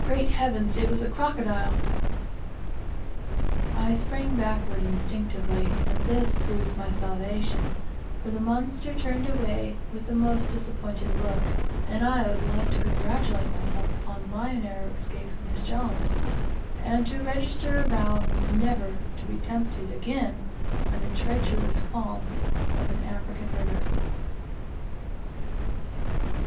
Great heavens, it was a crocodile! I sprang backward instinctively, and this proved my salvation, for the monster turned away with the most disappointed look, and I was left to congratulate myself upon my narrow escape from his jaws, and to register a vow never to be tempted again by the treacherous calm of an African river.